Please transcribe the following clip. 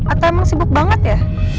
atau emang sibuk banget ya